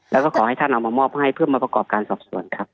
แล้วก็ขอให้ท่านเอามามอบให้เพื่อมาประกอบการสอบส่วนครับ